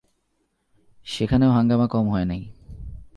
সেখানেও হাঙ্গামা কম হয় নাই।